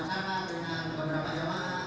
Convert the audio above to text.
dengan beberapa jamaah